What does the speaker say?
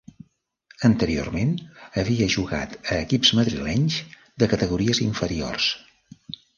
Anteriorment havia jugat a equips madrilenys de categories inferiors.